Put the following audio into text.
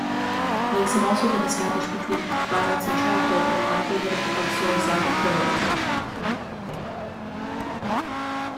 Links have also been established between violence in childhood and likelihood of uxoricide occurring.